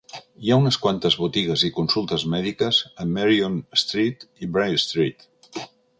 Hi ha unes quantes botigues i consultes mèdiques a Marion Street i Bray Street.